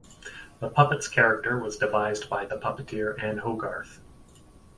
The puppet's character was devised by the puppeteer Ann Hogarth.